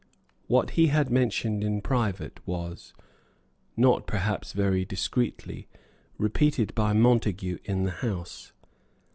What he had mentioned in private was, not perhaps very discreetly, repeated by Montague in the House.